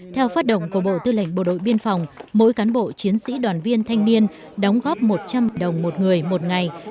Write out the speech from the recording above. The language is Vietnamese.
theo phát động của bộ tư lệnh bộ đội biên phòng mỗi cán bộ chiến sĩ đoàn viên thanh niên đóng góp một trăm linh đồng một người một ngày